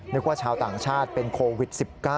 ว่าชาวต่างชาติเป็นโควิด๑๙